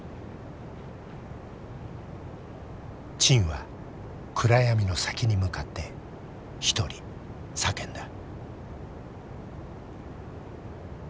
陳は暗闇の先に向かって一人叫んだ。